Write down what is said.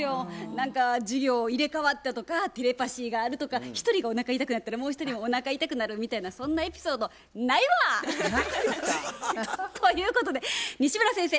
何か授業を入れ代わったとかテレパシーがあるとか一人がおなか痛くなったらもう一人もおなか痛くなるみたいなそんなエピソードないわ！ということで西村先生